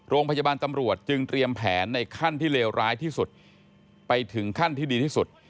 โรงพยาบาลตำรวจจึงเตรียมแผนในขั้นที่เลวร้ายที่สุดไปถึงขั้นที่ดีที่สุด